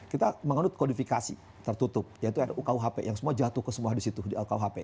kita mengandung kodifikasi tertutup yaitu ukuhp yang semua jatuh ke semua di situ